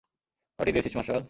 ফাটিয়ে দিয়েছিস, মার্শাল!